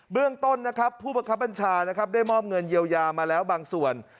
เรื่องต้นนะครับผู้บังคับบัญชานะครับได้มอบเงินเยียวยามาแล้วบางส่วน